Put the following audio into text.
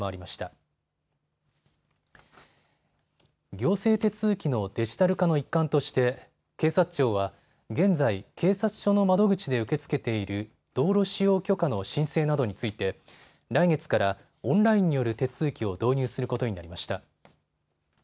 行政手続きのデジタル化の一環として警察庁は現在、警察署の窓口で受け付けている道路使用許可の申請などについて来月からオンラインによる手続きを導入することになりました。